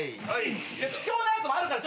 貴重なやつもあるから。